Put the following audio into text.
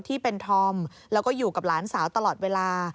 ที่เป็นธอมแล้วก็อยู่กับหลานสาวตลอดเวลา